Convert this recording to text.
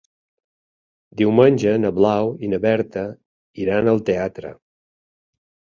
Diumenge na Blau i na Berta iran al teatre.